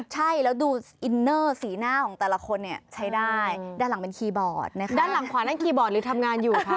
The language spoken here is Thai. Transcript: หรือเปิดวงกันหรือเปล่า